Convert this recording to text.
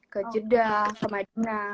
ke jeddah ke madinah